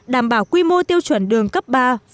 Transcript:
đảm bảo quy mô tiêu chuẩn đường cấp